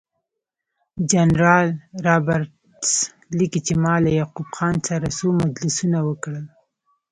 جنرال رابرټس لیکي چې ما له یعقوب خان سره څو مجلسونه وکړل.